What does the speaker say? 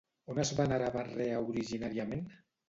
On es venerava Rea originàriament?